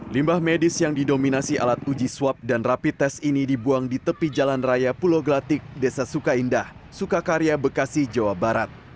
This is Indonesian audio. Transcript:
limbah medis yang didominasi alat uji swab dan rapi tes ini dibuang di tepi jalan raya pulau glatik desa sukaindah sukakarya bekasi jawa barat